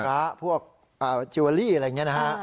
แหละพวกเจาะรีอะไรอย่างนี้นะฮะ